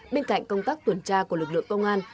bên cạnh công tác tuần tra của lực lượng công an